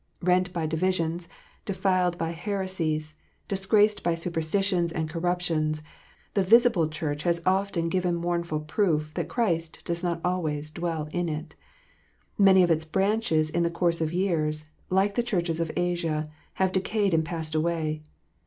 Rent by divisions, denied by heresies, disgraced by superstitions and corruptions, the visible Church has often given mournful proof that Christ does not always dwell in it. Many of its branches in the course of years, like the Churches of Asia, have decayed and passed away.